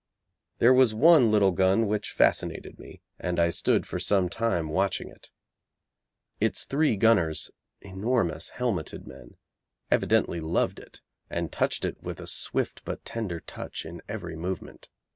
There was one little gun which fascinated me, and I stood for some time watching it. Its three gunners, enormous helmeted men, evidently loved it, and touched it with a swift but tender touch in every movement.